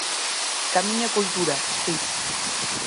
Camiño e cultura, si.